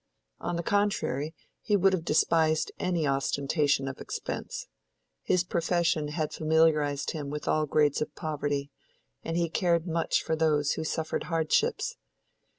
On the contrary, he would have despised any ostentation of expense; his profession had familiarized him with all grades of poverty, and he cared much for those who suffered hardships.